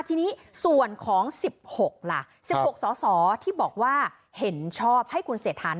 ทีนี้ส่วนของ๑๖ล่ะ๑๖สสที่บอกว่าเห็นชอบให้คุณเศรษฐา